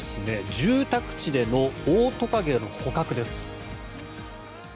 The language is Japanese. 住宅地でのオオトカゲの捕獲です。